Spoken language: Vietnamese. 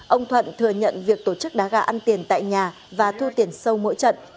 ông thuận thừa nhận việc tổ chức đá gà ăn tiền tại nhà và thu tiền sâu mỗi trận